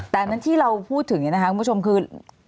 ดังนั้นที่เราพูดถึงอย่างนี้นะครับคุณผู้ชมคือ